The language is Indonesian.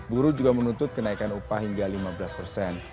buruh juga menuntut kenaikan upah hingga lima belas persen